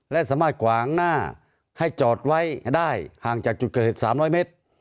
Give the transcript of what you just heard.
และสามารถขวางหน้าให้จอดไว้ได้ห่างจากจุดเกิดเหตุ๓๐๐เมตร